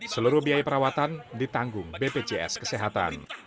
seluruh biaya perawatan ditanggung bpjs kesehatan